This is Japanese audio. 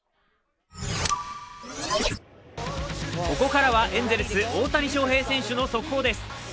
ここからはエンゼルス、大谷翔平選手の速報です。